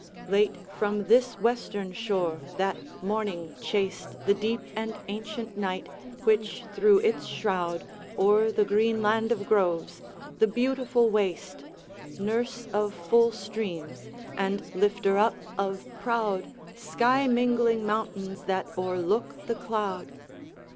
XXVII. Late, from this Western shore, that morning chased The deep and ancient night, which threw its shroud O'er the green land of groves, the beautiful waste, Nurse of full streams, and lifter up of proud Sky mingling mountains that o'erlook the cloud.